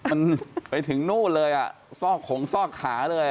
มันไปถึงนู่นเลยอ่ะซอกขงซอกขาเลย